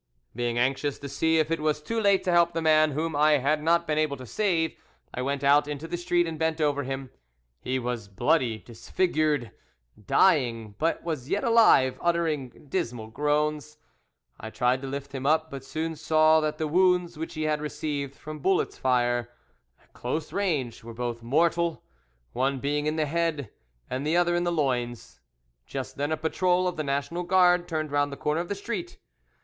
Being anxious to see if it was too late to help the man whom I had not been able to save, I went out into the street and bent over him. He was bloody, disfigured, dying, but was yet alive, uttering dismal groans. I tried to lift him up, but soon saw that the wounds which he had received from bullets fired at close range were both mortal, one being in the head, and the other in the loins. Just then a patrol, of the National Guard turned round the corner of the street.